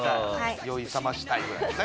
酔い冷ましたいぐらいのね。